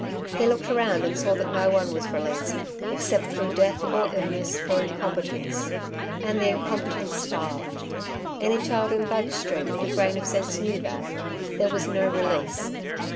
He looked around and saw that no one was released, except through death or illness or incompetence. And the incompetent starved. Any child in Budge Street with a grain of sense knew that. There was no release.